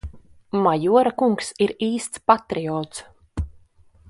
Majora kungs ir īsts patriots.